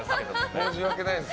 申し訳ないです。